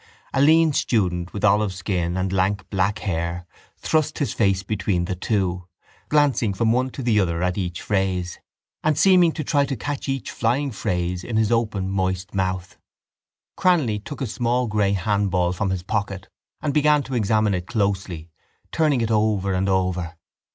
A lean student with olive skin and lank black hair thrust his face between the two, glancing from one to the other at each phrase and seeming to try to catch each flying phrase in his open moist mouth. Cranly took a small grey handball from his pocket and began to examine it closely, turning it over and over.